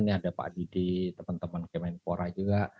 ini ada pak didi teman teman kemenpora juga